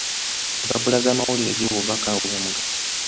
Empapula z'amawulire ziwa obubaka obw'omugaso.